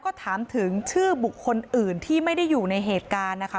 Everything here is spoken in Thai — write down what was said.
ก็ถามถึงชื่อบุคคลอื่นที่ไม่ได้อยู่ในเหตุการณ์นะคะ